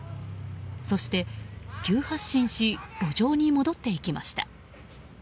そして、急発進し路上に戻っていきました。